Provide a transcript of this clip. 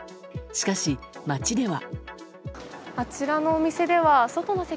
しかし、街では。